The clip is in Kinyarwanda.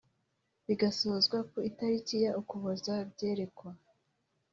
bigasozwa ku itariki ya Ukuboza Byerekwa